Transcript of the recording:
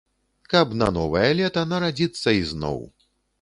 Каб на новае лета нарадзіцца ізноў.